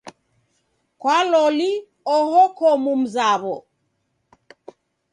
Kwa loli oho ko mumzaw'o.